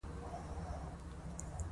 چې زما پلار چېرته دى.